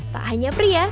tak hanya pria